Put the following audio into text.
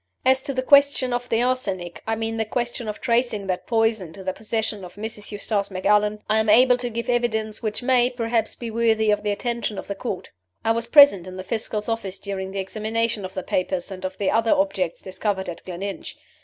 "As to the question of the arsenic I mean the question of tracing that poison to the possession of Mrs. Eustace Macallan I am able to give evidence which may, perhaps, be worthy of the attention of the Court. "I was present in the Fiscal's office during the examination of the papers, and of the other objects discovered at Gleninch.